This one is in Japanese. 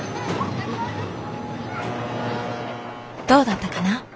どうだったかな？